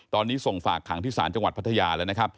ตอนนี้ส่งฝากขังที่ศาลจังหวัดพัทยาแล้วนะครับ